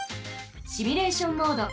シミュレーション・モード。